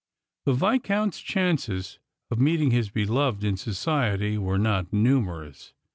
The Viscount's chances of meeting his beloved iu eociety were not numerous.